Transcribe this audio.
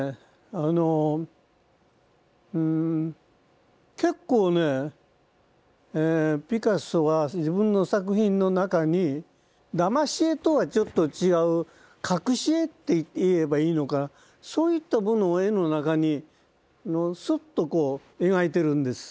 あのうん結構ねピカソは自分の作品の中にだまし絵とはちょっと違う隠し絵って言えばいいのかそういったものを絵の中にスッとこう描いてるんです。